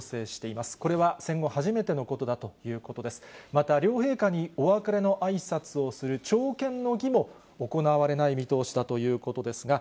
また両陛下にお別れのあいさつをする朝見の儀も行われない見通しだということですが。